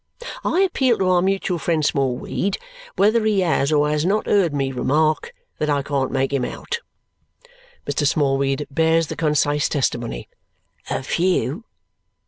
I appeal to our mutual friend Smallweed whether he has or has not heard me remark that I can't make him out." Mr. Smallweed bears the concise testimony, "A few!"